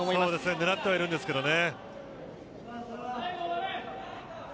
狙ってはいるんですけどね。